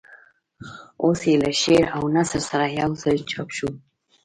اوس یې له شعر او نثر سره یوځای چاپ شو.